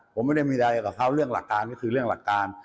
ผมไม่ได้มีอะไรกับเขาเรื่องหลักการก็คือเรื่องหลักการ